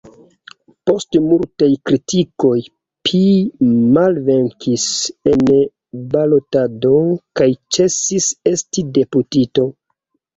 Post multaj kritikoj pi malvenkis en balotado kaj ĉesis esti deputito.